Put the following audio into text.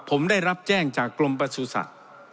ผมได้รับแจ้งจากกรมประสุทธิ์